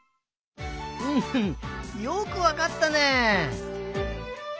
ふふよくわかったね！